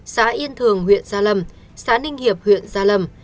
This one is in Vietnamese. xã yên thường huyện gia lâm xã ninh hiệp huyện gia lâm